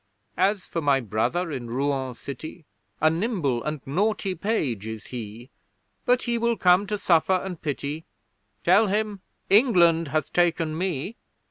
As for my Brother in Rouen city, A nimble and naughty page is he; But he will come to suffer and pity Tell him England hath taken me!